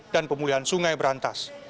dan pemulihan sungai berantas